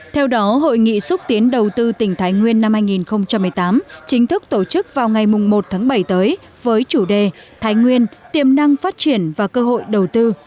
theo đó hội nghị xúc tiến đầu tư tỉnh thái nguyên năm hai nghìn một mươi tám chính thức tổ chức vào ngày một tháng bảy tới với chủ đề thái nguyên tiềm năng phát triển và cơ hội đầu tư